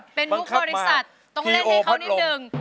ต้องเล่นให้เขานิดหนึ่ง